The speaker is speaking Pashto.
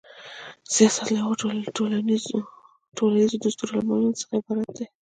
سیاست له هغو ټولیزو دستورالعملونو څخه عبارت دی.